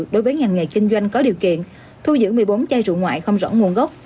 đối với ngành nghề kinh doanh có điều kiện thu giữ một mươi bốn chai rượu ngoại không rõ nguồn gốc